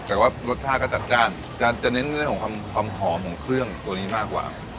แต่ว่ารสชาติก็จัดจ้านจะเน้นเรื่องของความหอมของเครื่องตัวนี้มากกว่า